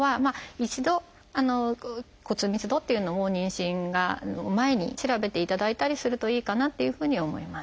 一度骨密度っていうのを妊娠の前に調べていただいたりするといいかなっていうふうには思います。